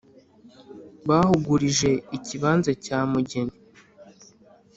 bahugurije ikibanza cya mugeni